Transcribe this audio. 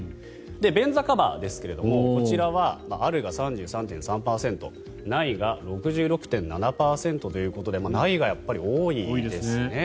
便座カバーですがこちらは、あるが３３．３％ないが６６．７％ということでないがやっぱり多いですね。